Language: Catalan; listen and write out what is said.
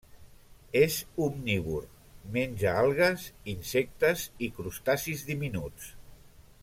És omnívor: menja algues, insectes i crustacis diminuts.